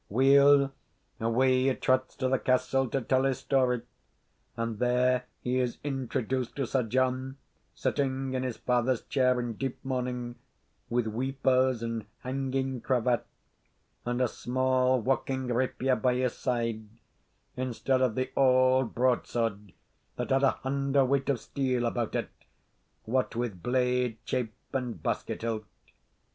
Weel, away he trots to the castle to tell his story, and there he is introduced to Sir John, sitting in his father's chair, in deep mourning, with weepers and hanging cravat, and a small walking rapier by his side, instead of the auld broadsword that had a hunderweight of steel about it, what with blade, chape, and basket hilt.